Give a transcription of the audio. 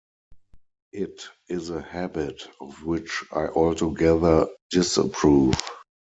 It is a habit of which I altogether disapprove.